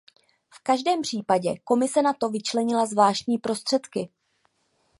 V každém případě Komise na to vyčlenila zvláštní prostředky.